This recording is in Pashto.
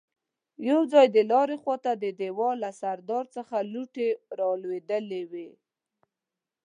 يو ځای د لارې خواته د دېوال له سرداو څخه لوټې رالوېدلې وې.